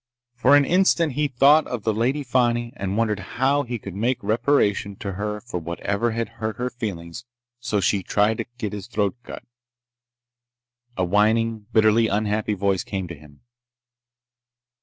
For an instant he thought of the Lady Fani and wondered how he could make reparation to her for whatever had hurt her feelings so she'd try to get his throat cut. A whining, bitterly unhappy voice came to him.